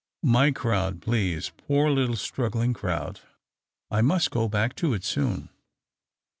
'•My crowd, please. Poor little struggling 3rowd ! I must go back to it soon."